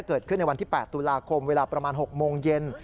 เกิดขึ้นในวันที่๘ตุลาคมเวลาประมาณ๖โมงเย็น